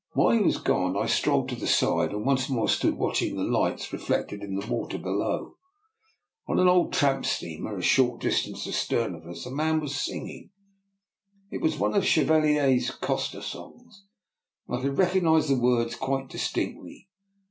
While he was gone I strolled to the side, and once more stood watching the lights reflected in the water below. On an old tramp steamer a short distance astern of us a man was singing. It was one of Chevalier's coster songs, and I could recognise the words quite distinctly.